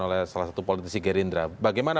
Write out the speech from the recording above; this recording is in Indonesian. oleh salah satu politisi gerindra bagaimana